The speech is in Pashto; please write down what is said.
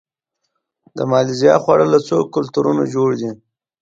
د مالیزیا خواړه له څو کلتورونو جوړ دي.